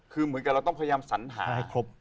คือเหมือนกับเราต้องพยายามสัญหาให้ครบ